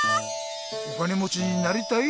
お金もちになりたい？